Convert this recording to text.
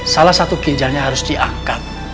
salah satu ginjalnya harus diangkat